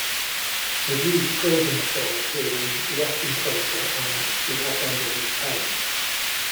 Reviews praising the film appeared in "The Austin Chronicle" and "The Los Angeles Times".